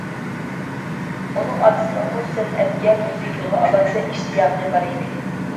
ئۇنىڭ ئاتىسىنىڭمۇ سەنئەتكە، مۇزىكىغا ئالاھىدە ئىشتىياقى بار ئىدى.